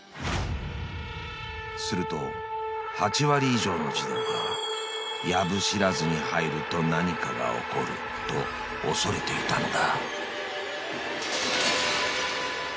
［すると８割以上の児童が藪知らずに入ると何かが起こると恐れていたのだ］